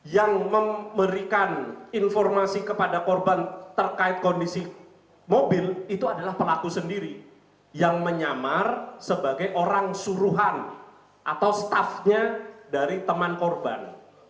yang memberikan informasi kepada korban terkait kondisi mobil itu adalah pelaku sendiri yang menyamar sebagai orang suruhan atau staffnya dari teman korban